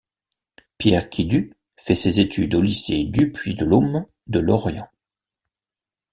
Pierre Quidu fait ses études au lycée Dupuy-de-Lôme de Lorient.